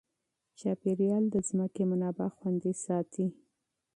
چاپیریال د ځمکې منابع خوندي ساتي.